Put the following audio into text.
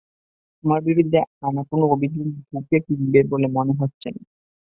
তোমার বিরুদ্ধে আনা কোনো অভিযোগ ধোপে টিকবে বলে মনে হচ্ছে না।